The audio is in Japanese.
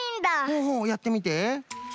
ほうほうやってみて。